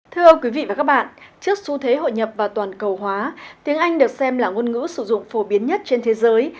thưa quý vị và các bạn trước xu thế hội nhập và toàn cầu hóa tiếng anh được xem là ngôn ngữ sử dụng phổ biến nhất trên thế giới